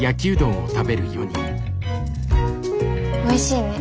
おいしいね。